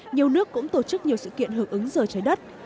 nhiều nước cũng tổ chức nhiều sự kiện hưởng ứng giờ trái đất